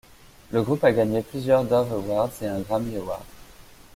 Le groupe a gagné plusieurs Dove Awards et un Grammy Award.